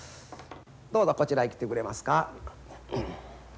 どうぞこちらへ来てくれますか。